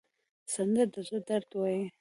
سندره د زړه درد وایي